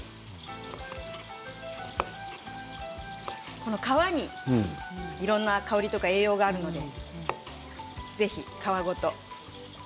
この皮にいろんな香りや栄養があるので、ぜひ皮ごと。